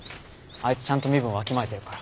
あいつちゃんと身分わきまえてるから。